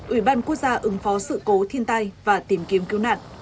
ủy ban quốc gia ứng phó sự cố thiên tai và tìm kiếm cứu nạn